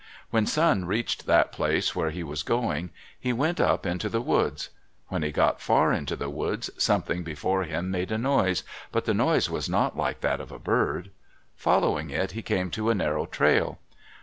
When Sun reached that place where he was going, he went up into the woods. When he got far into the woods, something before him made a noise, but the noise was not like that of a bird. Following it, he came to a narrow trail.